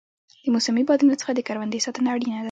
د موسمي بادونو څخه د کروندې ساتنه اړینه ده.